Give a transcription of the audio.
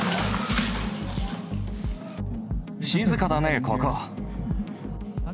静かだね、ここ。